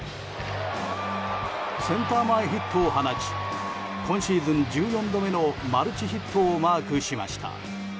センター前ヒットを放ち今シーズン１４度目のマルチヒットをマークしました。